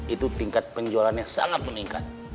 itu tingkat penjualannya sangat meningkat